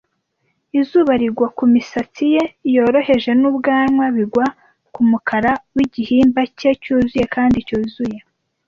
Izuba rigwa kumisatsi ye yoroheje n'ubwanwa, bigwa kumukara wigihimba cye cyuzuye kandi cyuzuye.